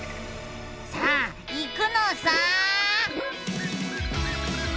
さあいくのさ！